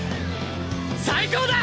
最高だ！